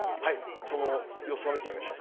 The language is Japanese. その予想を見てみましょう。